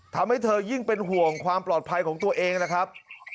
ทำให้เธอยิ่งเป็นห่วงความปลอดภัยของตัวเองนะครับ